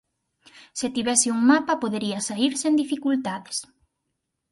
Se tivese un mapa podería saír sen dificultades.